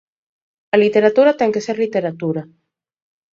A literatura ten que ser literatura.